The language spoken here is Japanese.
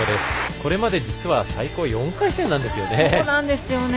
これまで実は最高４回戦なんですよね。